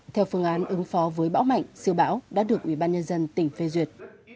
theo phương án ứng phó với bão mạnh siêu bão đã được ubnd tỉnh phê duyệt